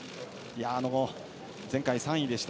前回３位でした。